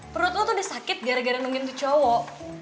perut lo tuh udah sakit gara gara nungguin tuh cowok